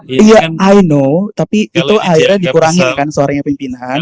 iya i know tapi itu akhirnya dikurangin kan suaranya pimpinan